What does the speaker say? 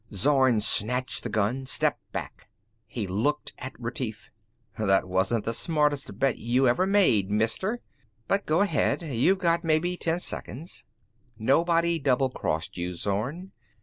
Zorn snatched the gun, stepped back. He looked at Retief. "That wasn't the smartest bet you ever made, Mister; but go ahead. You've got maybe ten seconds." "Nobody doublecrossed you, Zorn.